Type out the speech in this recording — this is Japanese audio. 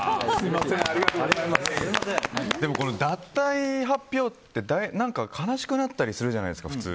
でも、この脱退発表って悲しくなったりするじゃないですか普通。